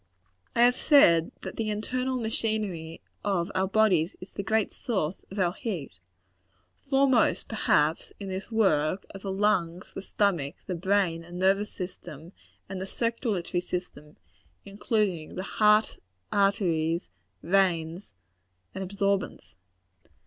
I have said that the internal machinery of out bodies is the great source of our heat. Foremost, perhaps, in this work, are the lungs, the stomach, the brain and nervous system, and the circulatory system, including the heart, arteries, veins and absorbents.